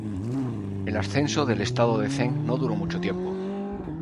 El ascenso del estado de Zheng no duró mucho tiempo.